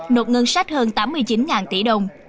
nộp ngân sách hơn tám mươi chín tỷ đồng